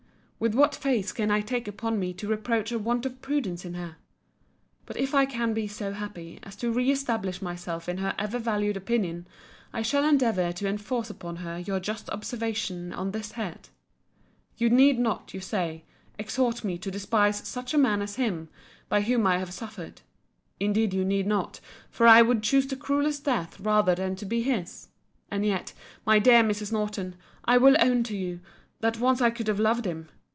With what face can I take upon me to reproach a want of prudence in her? But if I can be so happy as to re establish myself in her ever valued opinion, I shall endeavour to enforce upon her your just observation on this head. You need not, you say, exhort me to despise such a man as him, by whom I have suffered—indeed you need not: for I would choose the cruellest death rather than to be his. And yet, my dear Mrs. Norton, I will own to you, that once I could have loved him.